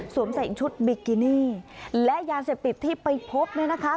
ใส่ชุดบิกินี่และยาเสพติดที่ไปพบเนี่ยนะคะ